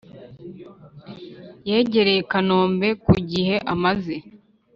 yagereye kanombe kugihe amaze